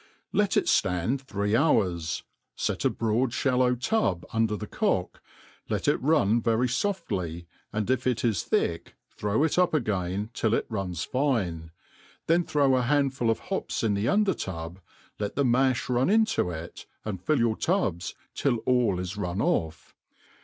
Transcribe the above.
Let it fland three hours, kt a broad (hallow tub under the cock, let it run very foftiyy and If It is thtck throw it up again till it runs fine, (heif throw a handful of hops in ^he under tuW, let the ma(b run into it, and fill your tub's till all is run off.